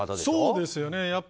そうですよね。